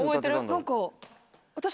何か。